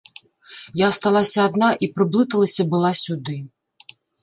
Я асталася адна і прыблыталася была сюды.